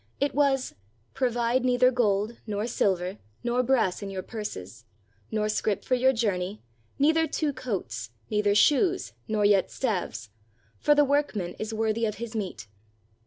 It was, "Provide neither gold, nor silver, nor brass in your purses; nor scrip for your journey, neither two coats, neither shoes, nor yet staves; for the work man is worthy of his meat."